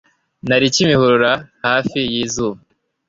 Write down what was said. nari kimihurura hafi yizuba